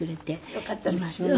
よかったですよね。